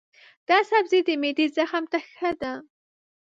دا سبزی د معدې زخم ته ښه دی.